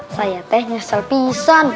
saya teh nyesel pisan